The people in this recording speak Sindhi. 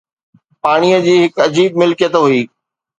پاڻيءَ جي هڪ عجيب ملڪيت هئي